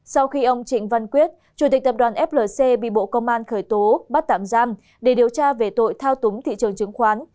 sau khi ông trịnh văn quyết chủ tịch tập đoàn flc bị bộ công an khởi tố bắt tạm giam để điều tra về tội thao túng thị trường chứng khoán